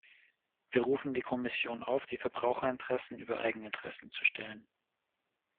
Wir rufen die Kommission auf, die Verbraucherinteressen über Eigeninteressen zu stellen.